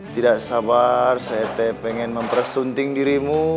tidak sabar saya teh pengen mempersunting dirimu